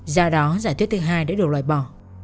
do đó giả thuyết thứ hai đã được loại bỏ